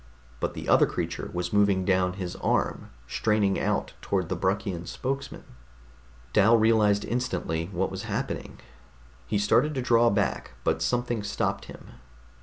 But the other creature was moving down his arm, straining out toward the Bruckian spokesman.... Dal realized instantly what was happening. He started to draw back, but something stopped him.